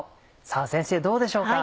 さぁ先生どうでしょうか？